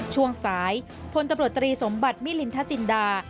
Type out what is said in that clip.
ช่วงสายพลตำรวจตรีสมบัติมิลินทจินดา